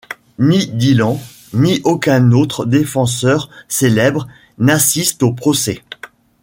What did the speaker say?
Ni Dylan, ni aucun autre défenseur célèbre n'assiste au procès.